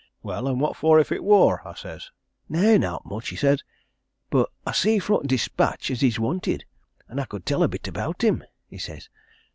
'Well, an' what if it wor?' I says. 'Nay, nowt much,' he says, 'but I see fro' t' Dispatch 'at he's wanted, and I could tell a bit about him,' he says.